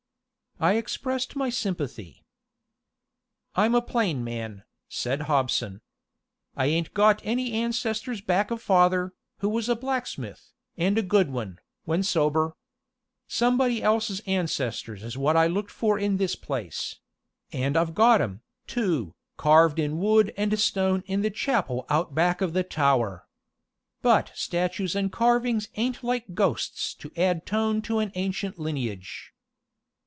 I expressed my sympathy. "I'm a plain man," said Hobson. "I ain't got any ancestors back of father, who was a blacksmith, and a good one, when sober. Somebody else's ancestors is what I looked for in this place and I've got 'em, too, carved in wood and stone in the chapel out back of the tower. But statues and carvings ain't like ghosts to add tone to an ancient lineage."